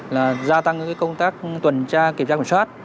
là gia tăng công tác tuần tra kiểm tra kiểm soát